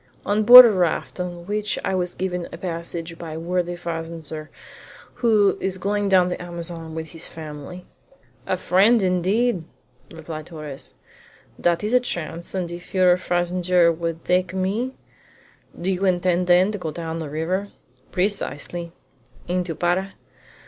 "On board a raft, on which I was given a passage by a worthy fazender who is going down the Amazon with his family." "A friend indeed!" replied Torres. "That is a chance, and if your fazender would take me " "Do you intend, then, to go down the river?" "Precisely." "Into Para?"